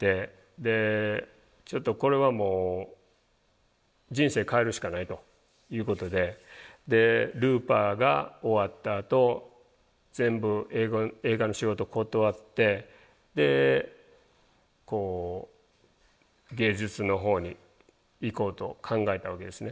でちょっとこれはもう人生変えるしかないということで「Ｌｏｏｐｅｒ」が終わったあと全部映画の仕事断ってでこう芸術のほうに行こうと考えたわけですね。